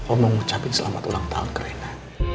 om mau mengucapkan selamat ulang tahun ke reina